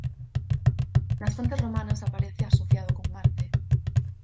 Nas fontes romanas aparece asociado con Marte.